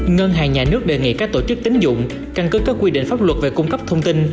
ngân hàng nhà nước đề nghị các tổ chức tính dụng căn cứ các quy định pháp luật về cung cấp thông tin